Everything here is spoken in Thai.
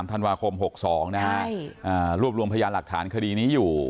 ธันวาคม๖๒นะฮะรวบรวมพยานหลักฐานคดีนี้อยู่